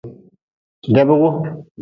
Debgu.